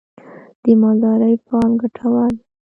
د مالدارۍ فارم ګټور دی؟